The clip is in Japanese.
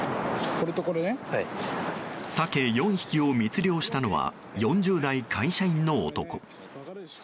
サケ４匹を密漁したのは４０代会社員の男。